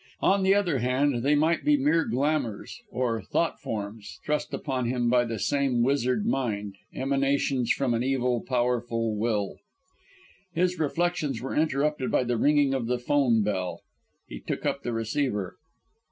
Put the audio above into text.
On the other hand they might be mere glamours or thought forms thrust upon him by the same wizard mind; emanations from an evil, powerful will. His reflections were interrupted by the ringing of the 'phone bell. He took up the receiver.